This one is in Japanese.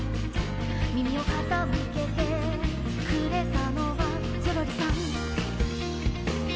「耳をかたむけてくれたのはゾロリさん」